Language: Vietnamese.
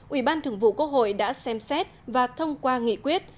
ủy ban thường vụ quốc hội đã xem xét và thông qua nghị quyết